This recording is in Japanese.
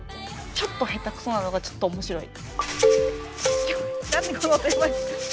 ちょっと下手くそなのがちょっと面白い。